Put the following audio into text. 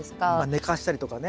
寝かしたりとかね。